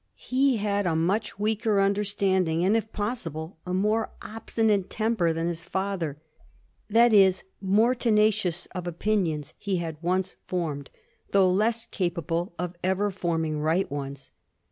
He had a much weaker understanding and, if possible, a more ob stinate temper than his father; that is, more tenacious of opinions he had once formed, though less capable of ever forming right ones.